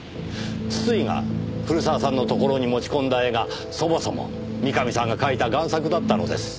筒井が古澤さんのところに持ち込んだ絵がそもそも三上さんが描いた贋作だったのです。